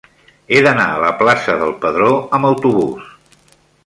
He d'anar a la plaça del Pedró amb autobús.